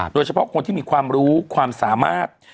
โดยเฉพาะคนที่มีความรู้ความสามารถ